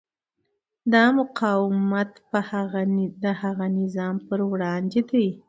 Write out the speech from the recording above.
دا مقاومت د هغه نظام پر وړاندې دی.